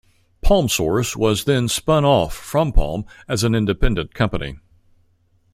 PalmSource was then spun off from Palm as an independent company.